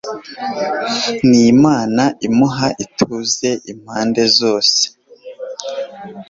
n'imana imuha ituze impande zose